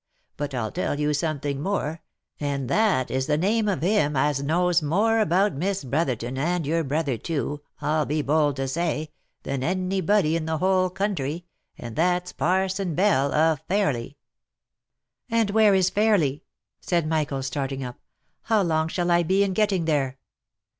" But I'll tell you something more, and that is the name of him as knows more about Miss Brotherton and your brother too, I'll be bold to say, than any body in the whole country, and that's Parson Bell, of Fairly." "And where is Fairly ?" said Michael, starting up. " How long shall I be in getting there